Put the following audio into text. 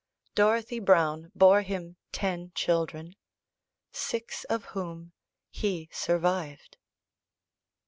Dorothy Browne bore him ten children, six of whom he survived.